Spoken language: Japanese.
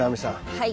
はい。